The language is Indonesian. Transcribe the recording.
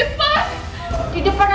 apaan tuh apaan ya